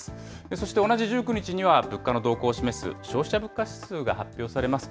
そして同じ１９日には、物価の動向を示す消費者物価指数が発表されます。